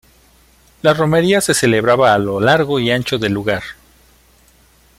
La Romería se celebraba a lo largo y ancho del lugar.